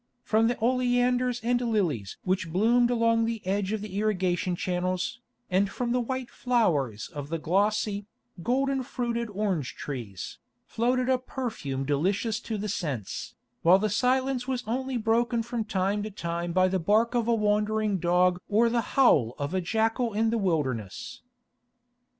From the oleanders and lilies which bloomed along the edge of the irrigation channels, and from the white flowers of the glossy, golden fruited orange trees, floated a perfume delicious to the sense, while the silence was only broken from time to time by the bark of a wandering dog or the howl of a jackal in the wilderness.